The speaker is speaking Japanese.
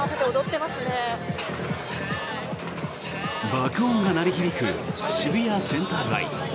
爆音が鳴り響く渋谷センター街。